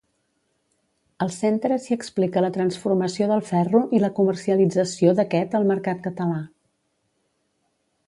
Al centre s'hi explica la transformació del ferro i la comercialització d'aquest al mercat català.